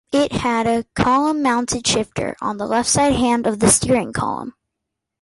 It had a column-mounted shifter, on the left-hand side of the steering column.